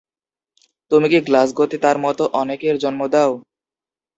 তুমি কি গ্লাসগোতে তার মত অনেকের জন্ম দাও?